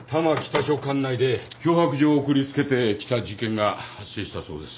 管内で脅迫状を送りつけてきた事件が発生したそうです。